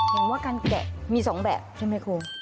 เห็นว่าการแกะมี๒แบบใช่ไหมคุณ